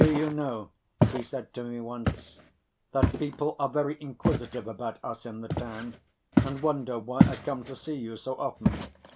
"Do you know," he said to me once, "that people are very inquisitive about us in the town and wonder why I come to see you so often.